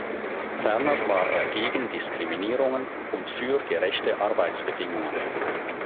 Ferner war er gegen Diskriminierungen und für gerechte Arbeitsbedingungen.